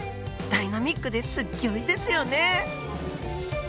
ダイナミックですっギョいですよね。